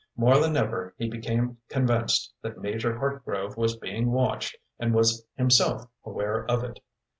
More than ever he became convinced that Major Hartgrove was being watched and was himself aware of it.